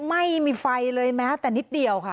ไม่มีไฟเลยแม้แต่นิดเดียวค่ะ